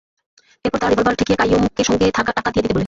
এরপর তারা রিভলবার ঠেকিয়ে কাইয়ুমকে সঙ্গে থাকা টাকা দিয়ে দিতে বলে।